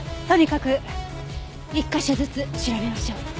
とにかく１カ所ずつ調べましょう。